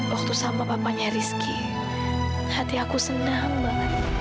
waktu sama papanya rizky hati aku senang banget